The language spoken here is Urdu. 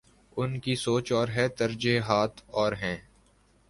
ان کی سوچ اور ہے، ترجیحات اور ہیں۔